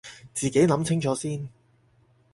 自己諗清楚先